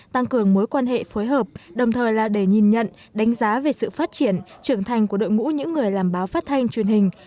tăng cường mối quan hệ phối hợp đồng thời là để nhìn nhận đánh giá về sự phát triển trưởng thành của đội ngũ những người làm báo phát thanh truyền hình